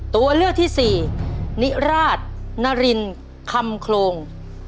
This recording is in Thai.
ตัวเลือกที่สี่นิราชนารินคำโครง